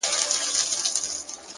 تمرکز نتیجه چټکوي!